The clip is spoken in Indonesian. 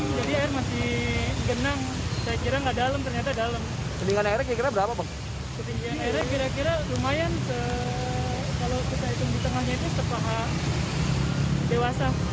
saya kira nggak dalam ternyata dalam ketinggian air kira kira berapa